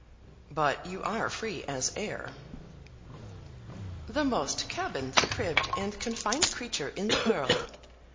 "But you are free as air." "The most cabined, cribbed, and confined creature in the world!